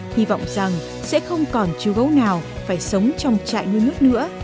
hy vọng rằng sẽ không còn chú gấu nào phải sống trong trại nuôi nước nữa